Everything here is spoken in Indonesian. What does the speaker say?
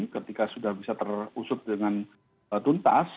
ketika sudah bisa terusut dengan tuntas